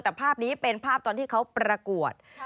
แต่ภาพนี้เป็นภาพตอนที่เขาประกวด